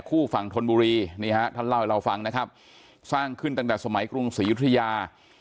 คู่ฝั่งธนบุรีนี่ฮะท่านเล่าให้เราฟังนะครับสร้างขึ้นตั้งแต่สมัยกรุงศรียุธยา